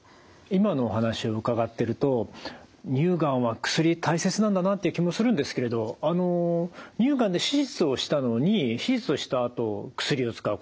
今のお話を伺ってると乳がんは薬大切なんだなっていう気もするんですけれど乳がんで手術をしたのに手術をしたあと薬を使う。